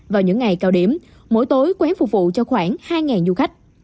vào những ngày cao điểm mỗi tối quán phục vụ cho khoảng hai du khách